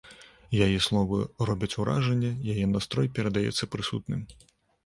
Яе словы робяць уражанне, яе настрой перадаецца прысутным.